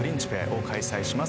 −を開催します